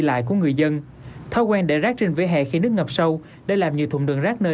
lại của người dân thói quen để rác trên vỉa hè khi nước ngập sâu để làm nhiều thùng đường rác nơi